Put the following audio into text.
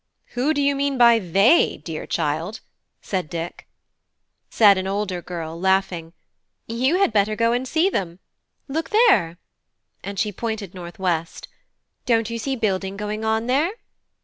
"Who do you mean by 'they,' dear child?" said Dick. Said an older girl, laughing: "You had better go and see them. Look there," and she pointed northwest, "don't you see building going on there?"